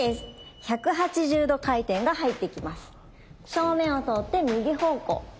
正面を通って右方向。